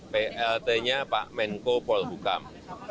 plt nya pak menko polhukam